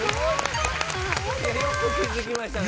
よく気付きましたね。